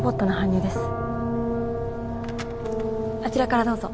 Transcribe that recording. あちらからどうぞ。